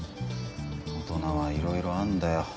大人はいろいろあんだよ。